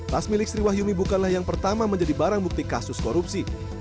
tas milik sri wahyuni bukanlah yang pertama menjadi barang bukti kasus korupsi